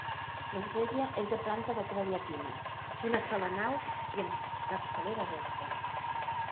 L'església és de planta de creu llatina, d'una sola nau i amb capçalera recta.